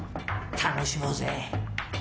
楽しもうぜ。